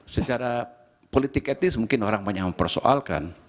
secara politik etis mungkin orang banyak mempersoalkan